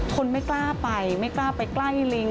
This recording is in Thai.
คนไม่กล้าไปไม่กล้าไปใกล้ลิง